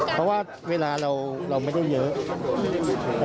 เพราะว่าเวลาเราไม่ได้เยอะ